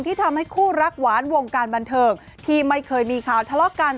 ที่ทำให้คู่รักหวานวงการบันเทิงที่ไม่เคยมีข่าวทะเลาะกัน